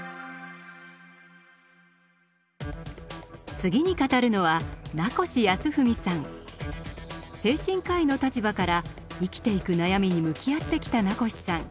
次に語るのは精神科医の立場から生きていく悩みに向き合ってきた名越さん。